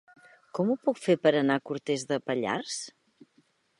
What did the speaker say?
Com ho puc fer per anar a Cortes de Pallars?